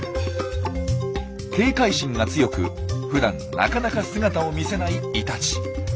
警戒心が強くふだんなかなか姿を見せないイタチ。